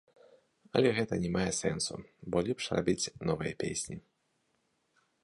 Але гэта не мае сэнсу, бо лепш рабіць новыя песні.